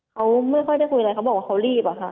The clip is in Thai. เขาไม่ค่อยได้คุยอะไรเขาบอกว่าเขารีบอะค่ะ